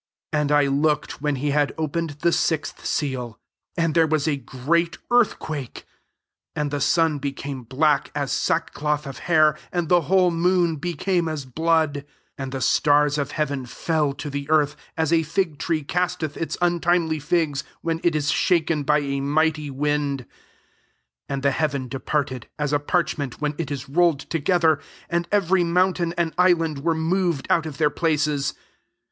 1£ And I looked when he had opened the sixth seal, and there was i| great earthquake ; and the sun became black as sackcloth of hair, and the whole moon became as blood ; 13 and the starsf of heaven fell to the earth, as a fig tree casteth its untimely figs when it is shaken by a mighty wind. 14 And the' heaven departed, as a parch ment when it is rolled together; and every mountain an^ island were moved out of their places.